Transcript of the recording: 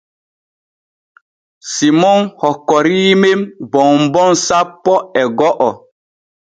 Simon hokkorii men bonbon sappo e go’o.